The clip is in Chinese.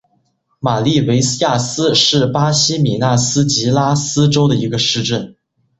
马拉维利亚斯是巴西米纳斯吉拉斯州的一个市镇。